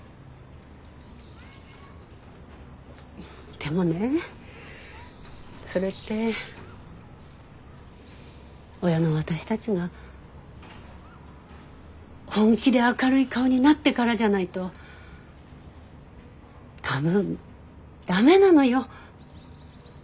でもねそれって親の私たちが本気で明るい顔になってからじゃないと多分駄目なのよ。